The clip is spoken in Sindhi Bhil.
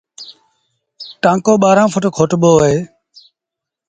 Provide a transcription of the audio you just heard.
ٽآنڪو ٻآهرآن ڦٽ کوٽبو اهي۔